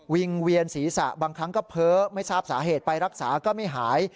งเวียนศีรษะบางครั้งก็เพ้อไม่ทราบสาเหตุไปรักษาก็ไม่หาย